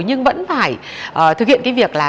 nhưng vẫn phải thực hiện cái việc là